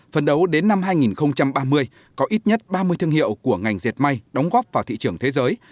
phần đấu đến năm hai nghìn ba mươi có ít nhất ba mươi thương hiệu của ngành diệt may đóng góp vào thị trường thế giới